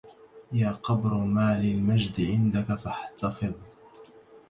يا قبر ما للمجد عندك فاحتفظ